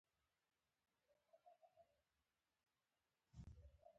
پادري په ځواب کې وویل زه خوشاله یم.